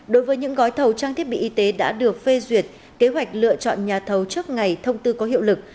đối với những gói thầu trang thiết bị y tế đã được phê duyệt kế hoạch lựa chọn nhà thầu trước ngày thông tư có hiệu lực